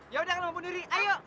ya udah jangan mau bunuh diri